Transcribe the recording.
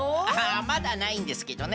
まだないんですけどね。